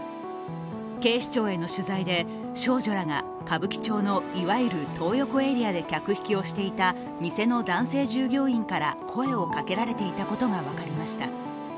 警視庁への取材で、少女らが歌舞伎町のいわゆるトー横エリアで客引きをしていた店の男性従業員から声をかけられていたことが分かりました。